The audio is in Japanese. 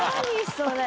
それ。